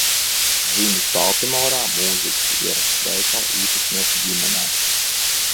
Dzimis Baltimorā mūzikas ierakstu veikala īpašnieka ģimenē.